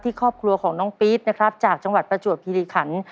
ที่ครอบครัวของน้องปี๊บนะครับจากจังหวัดประจุดพิริษฐธรรม